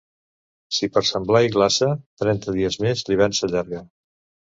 Si per Sant Blai glaça, trenta dies més l'hivern s'allarga.